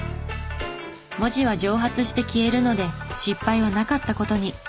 文字は蒸発して消えるので失敗はなかった事に。